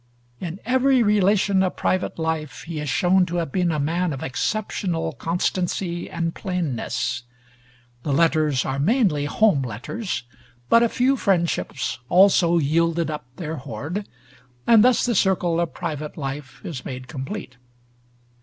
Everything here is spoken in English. In every relation of private life he is shown to have been a man of exceptional constancy and plainness. The letters are mainly home letters; but a few friendships also yielded up their hoard, and thus the circle of private life is made complete.